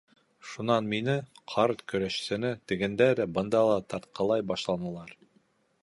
Шунан мине, ҡарт көрәшсене, тегендә лә, бында ла тартҡылай башланылар.